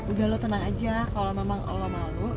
udah lu tenang aja kalo memang lu malu